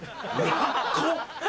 ラッコ？